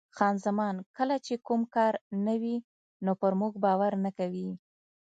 خان زمان: کله چې کوم کار نه وي نو پر موږ باور نه کوي.